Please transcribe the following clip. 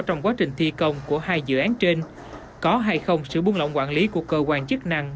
trong quá trình thi công của hai dự án trên có hay không sự buông lỏng quản lý của cơ quan chức năng